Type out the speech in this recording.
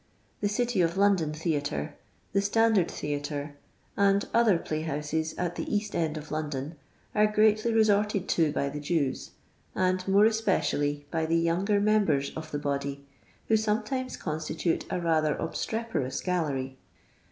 The City of London Theatre, the Standard Theatre, and other playhouses at the East end of London, are greatly resorted to by the Jews, and more especially by the younger members of the body, who sometimes constitute a rather obstreperous g;i!!eni'.